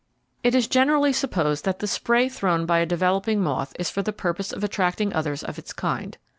It is generally supposed that the spray thrown by a developing moth is for the purpose of attracting others of its kind.